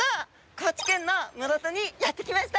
高知県の室戸にやって来ました。